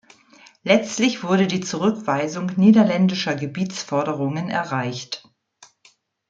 Letztlich wurde die Zurückweisung niederländischer Gebietsforderungen erreicht.